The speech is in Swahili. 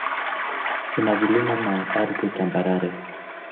Ina vilima na ardhi tambarare.